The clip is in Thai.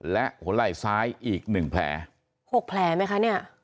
และหัวไหล่ซ้ายอีกหนึ่งแผล๖แผลไหมคะเนี่ย